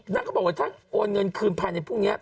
เขาบอกว่าถ้าโอนเงินคืนภายในพรุ่งนี้